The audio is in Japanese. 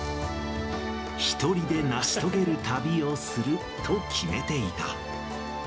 一人で成し遂げる旅をすると決めていた。